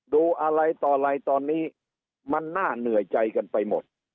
ดูอะไรต่ออะไรตอนนี้มันน่าเหนื่อยใจกันไปหมด